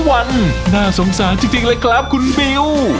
สนุกสงสารจากตอนนี้